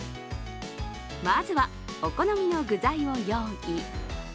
まずはお好みの具材を用意。